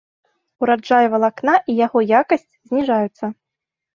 Ураджай валакна і яго якасць зніжаюцца.